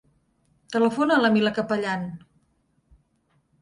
Telefona a la Mila Capellan.